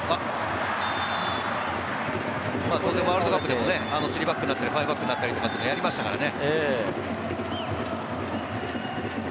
ワールドカップでも３バックだったり、５バックだったりっていうのはやりましたからね。